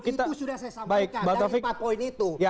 itu sudah saya sampaikan dari empat poin itu